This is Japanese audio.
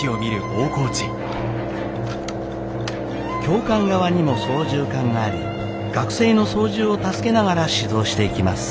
Ｗｉｎｇｌｅｖｅｌ．教官側にも操縦かんがあり学生の操縦を助けながら指導していきます。